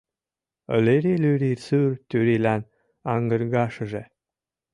Льыри-люри сур турийлан аҥыргашыже